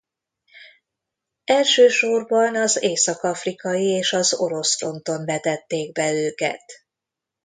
Elsősorban az Észak-afrikai és az orosz fronton vetették be őket.